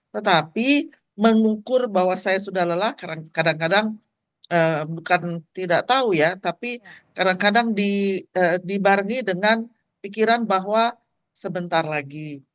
tetapi mengukur bahwa saya sudah lelah kadang kadang bukan tidak tahu ya tapi kadang kadang dibarengi dengan pikiran bahwa sebentar lagi